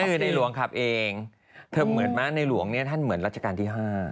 คือในหลวงขับเองเธอเหมือนมาในหลวงเนี่ยท่านเหมือนรัชกาลที่๕